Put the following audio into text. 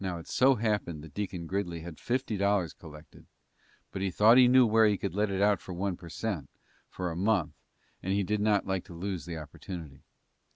Now it so happened that Deacon Gridley had fifty dollars collected, but he thought he knew where he could let it out for one per cent, for a month, and he did not like to lose the opportunity.